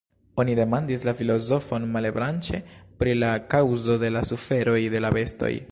Oni demandis la filozofon Malebranche pri la kaŭzo de la suferoj de la bestoj.